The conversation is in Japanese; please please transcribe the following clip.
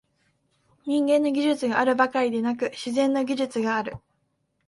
人間の技術があるばかりでなく、「自然の技術」がある。